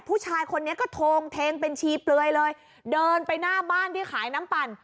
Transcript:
ผู้ชายคนนี้ก็โทงเทงเป็นชีเปลือยเลยเดินไปหน้าบ้านที่ขายน้ำปั่น